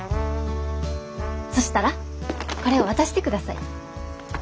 そしたらこれを渡してください。